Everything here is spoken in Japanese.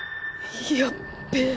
やっべえ。